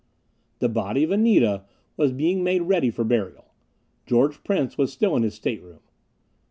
The body of Anita was being made ready for burial. George Prince was still in his stateroom.